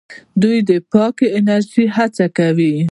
دوی د پاکې انرژۍ هڅه کوي.